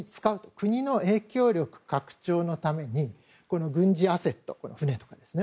国の影響力拡張のために軍事アセット、船とかですね。